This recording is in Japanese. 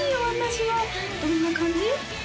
私はどんな感じ？